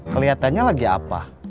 keliatannya lagi apa